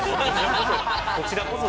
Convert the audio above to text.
こちらこそ。